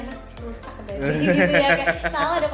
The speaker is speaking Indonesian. seberapa penting menurut aku